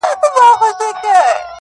اوس دادی~